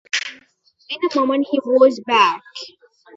In a moment he was back.